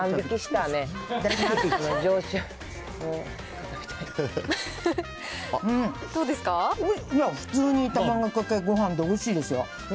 例えば、普通に卵かけごはんでおいしいですよ。